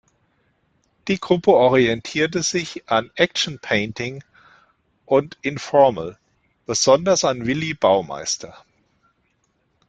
Die Gruppe orientierte sich an Action Painting und Informel, besonders an Willi Baumeister.